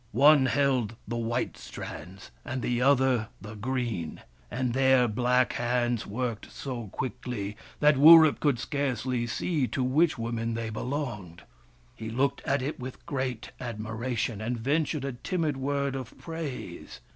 One held the white strands, and the other the green ; and their black hands worked so quickly that Wurip could scarcely see to which woman they belonged. He looked at it with great admiration, and ventured a timid word of praise.